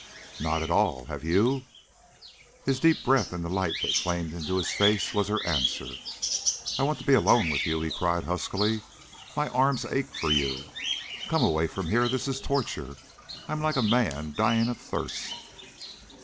"Not at all. Have you?" His deep breath and the light that flamed into his face was her answer. "I want to be alone with you," he cried, huskily. "My arms ache for you. Come away from here; this is torture. I'm like a man dying of thirst."